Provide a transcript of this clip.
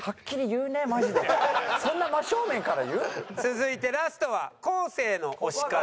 続いてラストは昴生の推しから。